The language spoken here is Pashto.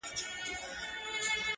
پر خپل کور به د مرګي لاري سپرې کړي-